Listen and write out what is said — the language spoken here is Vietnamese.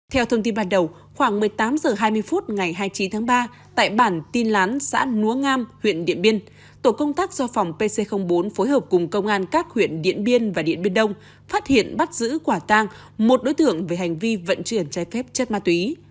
theo thông tin ban đầu khoảng một mươi tám h hai mươi phút ngày hai mươi chín tháng ba tại bản tin lán xã núa ngam huyện điện biên tổ công tác do phòng pc bốn phối hợp cùng công an các huyện điện biên và điện biên đông phát hiện bắt giữ quả tang một đối tượng về hành vi vận chuyển trái phép chất ma túy